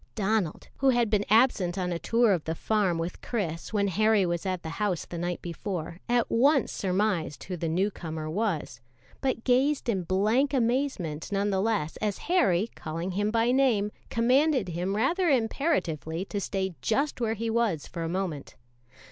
Donald, who had been absent on a tour of the farm with Chris when Harry was at the house the night before, at once surmised who the new comer was, but gazed in blank amazement, none the less, as Harry, calling him by name, commanded him rather imperatively to stay just where he was for a moment.